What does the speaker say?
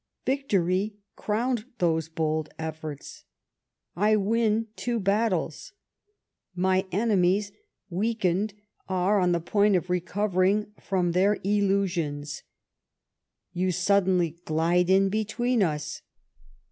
Victory crowned those bold efforts. I win two battles. My enemies, weakened, are on tlic point of recovering from their illusions. You suddenly glide in between us.